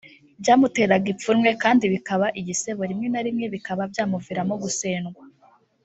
byamuteraga ipfunwe kandi bikaba igisebo rimwe na rimwe bikaba byamuviramo gusendwa